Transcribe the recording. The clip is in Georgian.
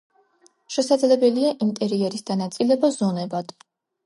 შესაძლებელია ინტერიერის დანაწილება ზონებად.